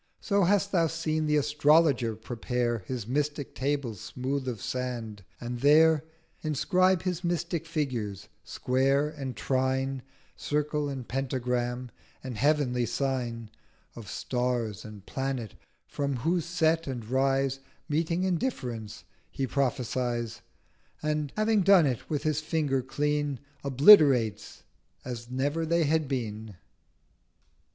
So hast thou seen the Astrologer prepare His mystic Table smooth of sand, and there Inscribe his mystic figures, Square, and Trine, Circle and Pentagram, and heavenly Sign Of Star and Planet: from whose Set and Rise, Meeting and Difference, he prophesies; 1210 And, having done it, with his Finger clean Obliterates as never they had been.